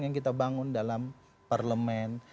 yang kita bangun dalam parlemen